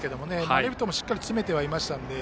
レフトもしっかり詰めていました。